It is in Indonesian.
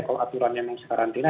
kalau aturannya mengusahakan karantina